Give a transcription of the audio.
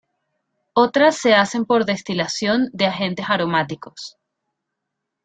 Otras se hacen por destilación de agentes aromáticos.